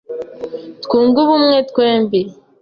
Twunge ubumwe twembi